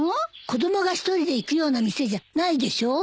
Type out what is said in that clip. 子供が一人で行くような店じゃないでしょう？